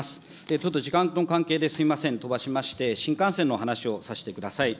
ちょっと時間の関係ですみません、飛ばしまして、新幹線の話をさせてください。